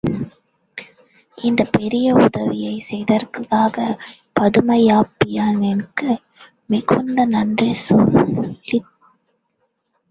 இந்தப் பெரிய உதவியைச் செய்ததற்காகப் பதுமை யாப்பியாயினிக்கு மிகுந்த நன்றி செலுத்தினாள்.